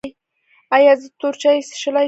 ایا زه تور چای څښلی شم؟